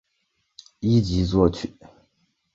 一级作曲。